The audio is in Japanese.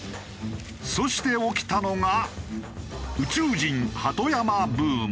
そして起きたのが。